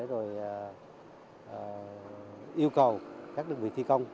tập trung vào để yêu cầu các đơn vị thi công